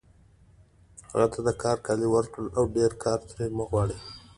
هغه ته د کار کالي ورکړئ او ډېر کار ترې مه غواړئ